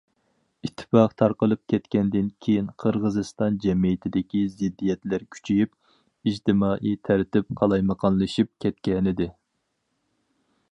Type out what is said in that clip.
ئىتتىپاق تارقىلىپ كەتكەندىن كېيىن، قىرغىزىستان جەمئىيىتىدىكى زىددىيەتلەر كۈچىيىپ، ئىجتىمائىي تەرتىپ قالايمىقانلىشىپ كەتكەنىدى.